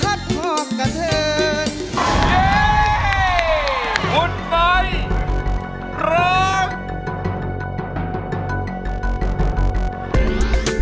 โปรดติดตามตอนต่อไป